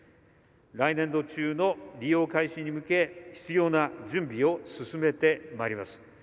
来年度中の利用開始に向け必要な準備を進めてまいります。